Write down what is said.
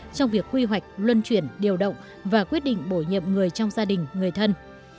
trong việc quy hoạch luân chuyển điều động và quyết định bổ nhiệm người trong gia đình người thân